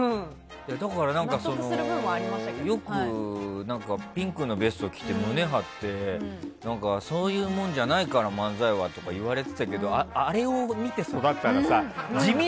だからよくピンクのベスト着て胸張ってそういうもんじゃないから漫才はとか言われていたけどあれを見て育ったらさめちゃくちゃ地味。